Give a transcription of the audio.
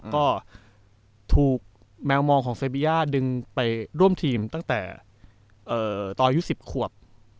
ก็ถูกแมวมองของเซบีย่าดึงไปร่วมทีมตั้งแต่ตอนอายุ๑๐ขวบ